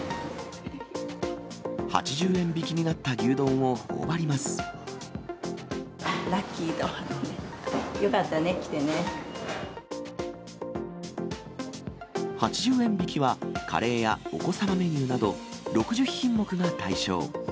８０円引きになった牛丼をほラッキーと思って、よかった８０円引きは、カレーやお子様メニューなど、６０品目が対象。